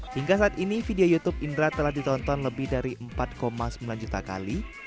hingga saat ini video youtube indra telah ditonton lebih dari empat sembilan juta kali